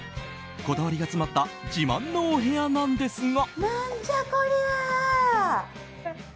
こだわりが詰まった自慢のお部屋なんですが。